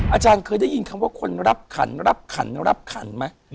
อาจารย์เคยได้ยินคำว่าคนรับขันรับขันรับขันไหม